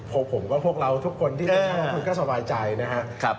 ผมก็พวกเราทุกคนที่นักลงทุนก็สบายใจนะครับ